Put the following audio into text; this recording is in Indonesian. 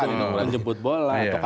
apakah itu menjemput bola atau